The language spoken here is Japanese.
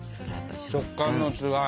食感の違い。